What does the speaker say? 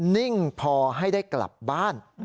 นิ่งพอให้ได้กลับบ้าน